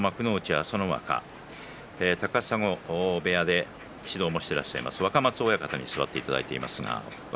朝乃若高砂部屋で指導もしていらっしゃいます若松親方に座っていただいています。